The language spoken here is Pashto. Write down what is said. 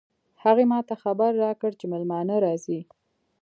هغې ما ته خبر راکړ چې مېلمانه راځي